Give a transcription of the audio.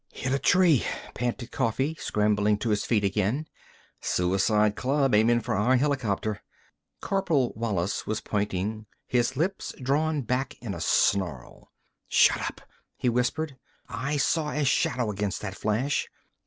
"Hit a tree," panted Coffee, scrambling to his feet again. "Suicide club, aimin' for our helicopter." Corporal Wallis was pointing, his lips drawn back in a snarl. "Shut up!" he whispered. "I saw a shadow against that flash!